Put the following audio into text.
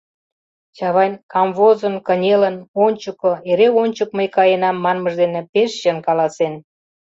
Чавайн «камвозын, кынелын, ончыко, эре ончык мый каенам» манмыж дене пеш чын каласен.